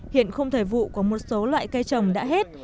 hiện không thời vụ có một số loại cây trồng đã hết